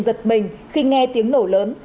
giật mình khi nghe tiếng nổ lớn